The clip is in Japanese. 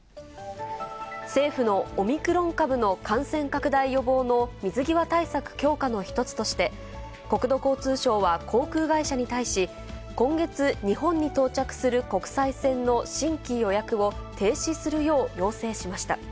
政府のオミクロン株の感染拡大予防の水際対策強化の一つとして、国土交通省は航空会社に対し、今月日本に到着する国際線の新規予約を、停止するよう要請しました。